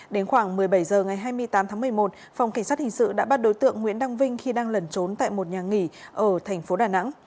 đến khoảng một mươi bảy h ngày hai mươi tám tháng một mươi một phòng cảnh sát hình sự đã bắt đối tượng nguyễn đăng vinh khi đang lẩn trốn tại một nhà nghỉ ở thành phố đà nẵng